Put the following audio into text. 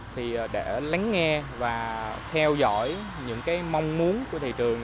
thì để lắng nghe và theo dõi những cái mong muốn của thị trường